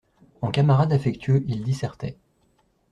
En camarade affectueux, il dissertait.